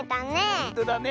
ほんとだね。